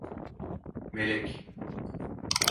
Melek…